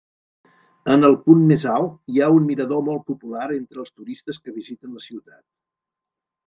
En el punt més alt, hi ha un mirador molt popular entre els turistes que visiten la ciutat.